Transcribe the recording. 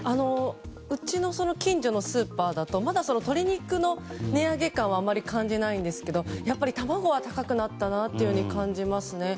うちの近所のスーパーだとまだ鶏肉の値上げ感はあまり感じないんですけどやっぱり卵は高くなったなと感じますね。